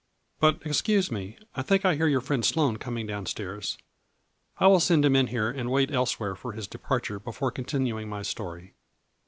But, excuse me, I think I hear your friend Sloane coming down stairs. I will send him in here and wait elsewhere for his departure before continuing my story."